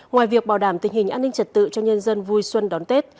ngoài việc bảo đảm tình hình an ninh trật tự cho nhân dân vui xuân đón tết